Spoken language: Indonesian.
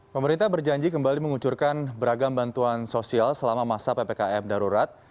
pemerintah berjanji kembali mengucurkan beragam bantuan sosial selama masa ppkm darurat